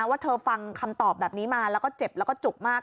ว่าเธอฟังคำตอบแบบนี้มาแล้วก็เจ็บแล้วก็จุกมาก